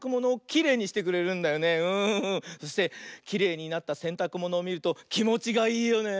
そしてきれいになったせんたくものをみるときもちがいいよね。